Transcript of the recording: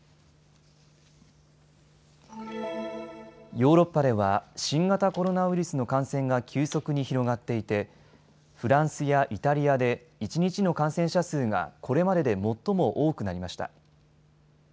ヨーロッパでは新型コロナウイルスの感染が急速に広がっていてフランスやイタリアで一日の感染者数がこれまでで最も多くなりました。